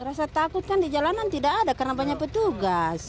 rasa takut kan di jalanan tidak ada karena banyak petugas